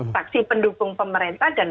fraksi pendukung pemerintah dan